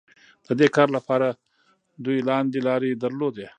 د دې کار لپاره دوی لاندې لارې درلودې.